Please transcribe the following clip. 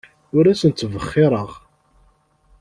Ur asen-ttbexxireɣ.